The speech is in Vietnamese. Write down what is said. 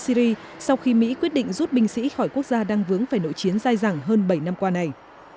hàn quốc sau khi mỹ quyết định rút binh sĩ khỏi quốc gia đang vướng về nội chiến dài dẳng hơn bảy năm qua này